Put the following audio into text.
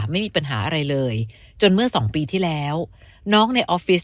ไม่มีปัญหาอะไรเลยจนเมื่อสองปีที่แล้วน้องในออฟฟิศ